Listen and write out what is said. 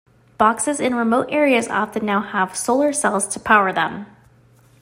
Boxes in remote areas often now have solar cells to power them.